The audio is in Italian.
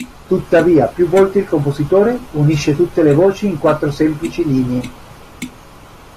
Tuttavia, più volte il compositore unisce tutte le voci in quattro semplici linee.